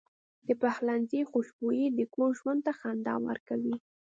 د پخلنځي خوشبويي د کور ژوند ته خندا ورکوي.